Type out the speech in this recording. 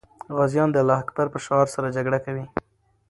غازیان د الله اکبر په شعار سره جګړه کوي.